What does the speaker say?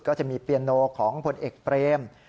ก็จะมีเปียโนของผลเอกเปรม